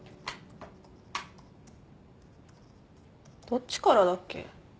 どっちからだっけ？